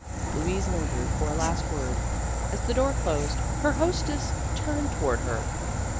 Louise lingered for a last word. As the door closed, her hostess turned toward her.